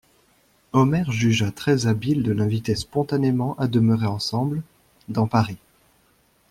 Omer jugea très habile de l'inviter spontanément à demeurer ensemble, dans Paris.